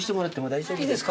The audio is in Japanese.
大丈夫ですか？